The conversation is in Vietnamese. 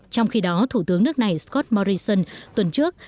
trong khi đó thủ tướng nước này scott morrison tuần trước